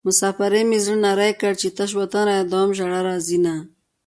مسافرۍ مې زړه نری کړ چې تش وطن رايادوم ژړا راځينه